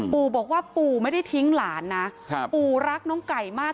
ปู่บอกว่าปู่ไม่ได้ทิ้งหลานนะปู่รักน้องไก่มาก